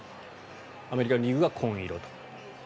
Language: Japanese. アメリカン・リーグが紺色と。